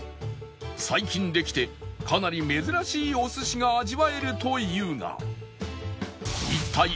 最近できてかなり珍しいお寿司が味わえるというが